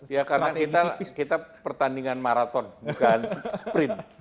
ya karena kita pertandingan maraton bukan sprint